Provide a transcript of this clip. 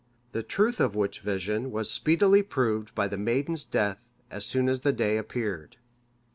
The truth of which vision was speedily proved by the maiden's death as soon as the day appeared.